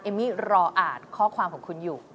มี่รออ่านข้อความของคุณอยู่